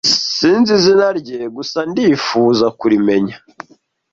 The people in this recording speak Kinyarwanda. sinzi izina rye gusa ndifuza kurimenya